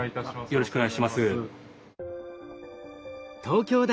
よろしくお願いします。